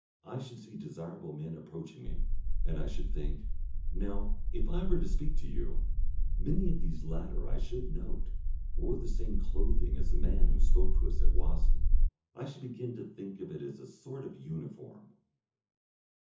I should see desirable men approaching me, and I should think; "Now, if I were to speak to you?" Many of these latter I should note wore the same clothing as the man who spoke to us at Wassen; I should begin to think of it as a sort of uniform....